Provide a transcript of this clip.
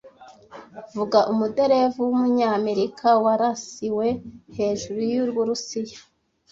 Vuga umuderevu wumunyamerika warasiwe hejuru yUburusiya